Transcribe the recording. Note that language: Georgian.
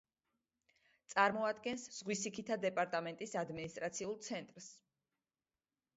წარმოადგენს ზღვისიქითა დეპარტამენტის ადმინისტრაციულ ცენტრს.